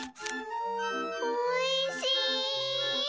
おいしい！